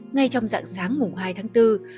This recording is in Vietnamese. ngay trong dạng sáng mùng hai tháng bốn